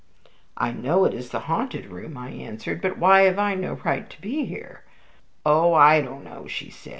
"I know it is the haunted room," I answered; "but why have I no right to be here?" "Oh, I don't know," she said.